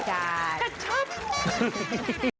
กระชับ